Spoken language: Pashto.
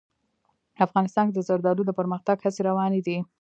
افغانستان کې د زردالو د پرمختګ هڅې روانې دي.